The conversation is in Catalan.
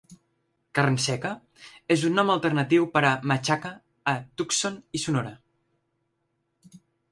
"Carn seca" és un nom alternatiu per a machaca a Tucson i Sonora.